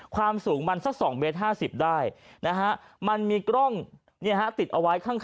ความสูงมันซะ๒๕๐เมตรได้